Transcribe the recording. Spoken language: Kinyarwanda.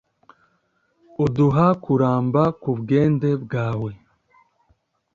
uduha kuramba ku bwende bwawe